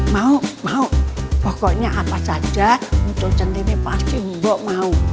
mau mau pokoknya apa saja untuk centimi pasti mbok mau